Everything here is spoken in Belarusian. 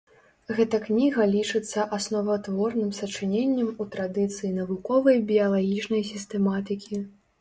Гэта кніга лічыцца асноватворным сачыненнем у традыцыі навуковай біялагічнай сістэматыкі.